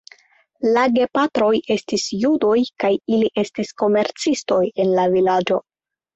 La gepatroj estis judoj kaj ili estis komercistoj en la vilaĝo.